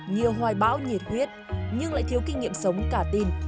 nhiều hoài bão nhiệt huyết nhưng lại thiếu kinh nghiệm sống cả tin